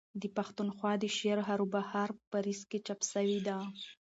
د پښتونخوا دشعرهاروبهار په پاريس کي چاپ سوې ده.